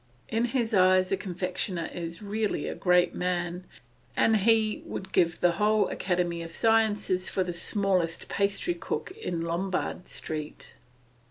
In his eyes a confectioner is a really great man, and he would give the whole academy of sciences for the smallest pastrycook in Lombard Street.